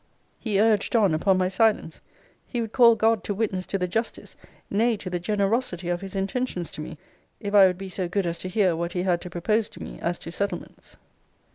He urged on upon my silence; he would call God to witness to the justice, nay to the generosity of his intentions to me, if I would be so good as to hear what he had to propose to me, as to settlements.